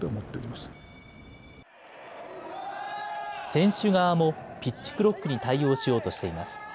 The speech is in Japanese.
選手側も、ピッチクロックに対応しようとしています。